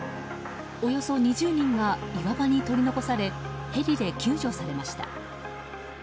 およそ２０人が岩場に取り残されヘリで救助されました。